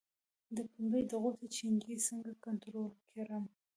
د پنبې د غوټې چینجی څنګه کنټرول کړم؟